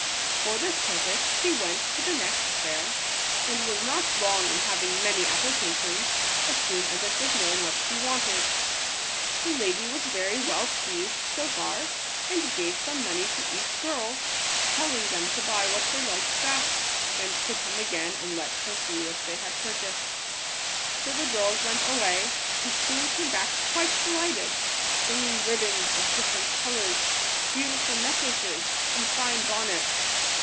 For this purpose she went to the next fair, and was not long in having many appli cations, as soon as it was known what she wanted. The lady was very well pleased so far, and gave some money to each girl, telling them to buy what they liked best, and to come again and let her see what they had purchased. So the girls went away, and soon came back quite delighted, bringing ribands of different colours, beautiful necklaces, and fine bonnets.